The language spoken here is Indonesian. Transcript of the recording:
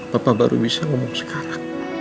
bangun banget semuanya